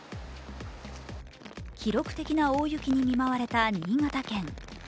記録的な大雪に見舞われた新潟県。